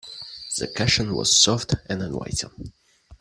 The cushion was soft and inviting.